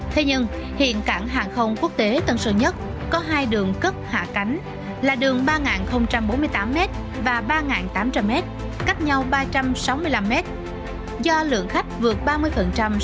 thế nhưng hiện cảng hàng không quốc tế tân sơn nhất có hai đường cất hạ cánh là đường ba nghìn bốn mươi tám m và ba nghìn tám trăm linh m cách nhau ba trăm sáu mươi năm m